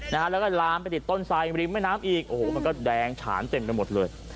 นะฮะแล้วก็ลามไปติดต้นไซริมแม่น้ำอีกโอ้โหมันก็แดงฉานเต็มไปหมดเลย